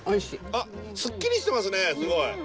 あっすっきりしてますねすごい。